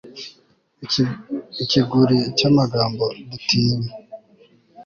ikiguri cy'amagambo dutinya